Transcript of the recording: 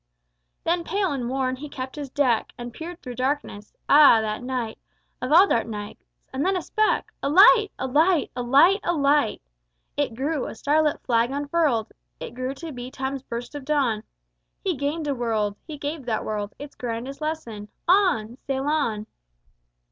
Then, pale and worn, he kept his deck, And peered through darkness. Ah, that night Of all dark nights! And then a speck A light! a light! a light! a light! It grew, a starlit flag unfurled! It grew to be Time's burst of dawn. He gained a world; he gave that world Its grandest lesson: "On! sail on!"